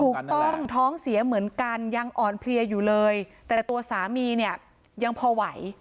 ถูกต้องท้องเสียเหมือนกันยังอ่อนเพลียอยู่เลยแต่ตัวสามีเนี่ยยังพอไหว